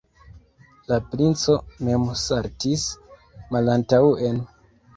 La princo mem saltis malantaŭen.